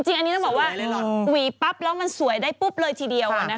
จริงอันนี้นี่บอกว่าเหวียวปั๊บแล้วมันสวยได้ปุ๊บเลยทีเดียวอันนี้รถเม็ด